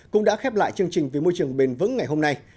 cũng đã khép lại chương trình vì môi trường bền vững ngày hôm nay